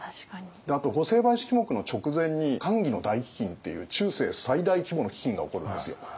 あと御成敗式目の直前に寛喜の大飢饉っていう中世最大規模の飢饉が起こるんですよ。